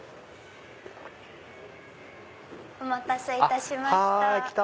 お待たせいたしました。